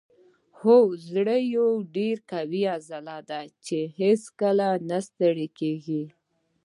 هو زړه یوه ډیره قوي عضله ده چې هیڅکله نه ستړې کیږي